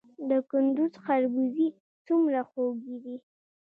د کندز خربوزې څومره خوږې دي؟